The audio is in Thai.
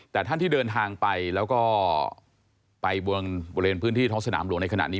แต่ท่านที่เดินทางไปแล้วก็ไปบริเวณพื้นที่ท้องสนามหลวงในขณะนี้